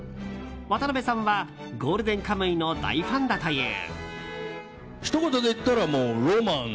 渡辺さんは「ゴールデンカムイ」の大ファンだという。